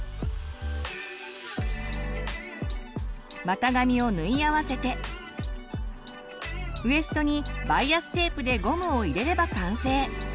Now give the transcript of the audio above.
股上を縫い合わせてウエストにバイアステープでゴムを入れれば完成。